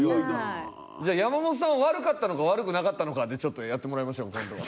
じゃあ山本さんは悪かったのか悪くなかったのかでちょっとやってもらいましょうか今度は。